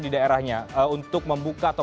di daerahnya untuk membuka atau